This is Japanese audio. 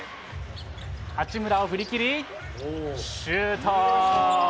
八村を振り切り、シュート。